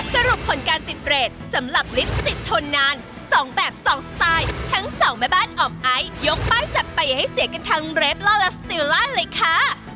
สรุปผลการติดเรทสำหรับลิฟต์ติดทนนานสองแบบสองสไตล์ทั้งสองแม่บ้านอ่อมไอซยกป้ายสับไปให้เสียกันทั้งเรฟล่อและสติลล่าเลยค่ะ